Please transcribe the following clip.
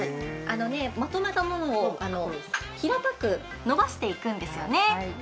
まとめたものを平たく伸ばしていくんですよね。